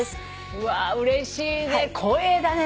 うわうれしいね光栄だね。